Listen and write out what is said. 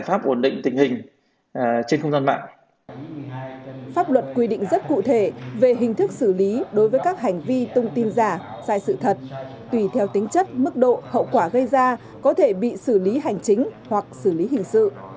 pháp luật quy định rất cụ thể về hình thức xử lý đối với các hành vi tung tin giả sai sự thật tùy theo tính chất mức độ hậu quả gây ra có thể bị xử lý hành chính hoặc xử lý hình sự